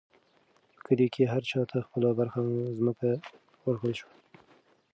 په کلي کې هر چا ته خپله برخه مځکه ورکړل شوه.